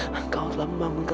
ya allah terima kasih sita